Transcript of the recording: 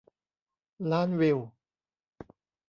ล้านวิว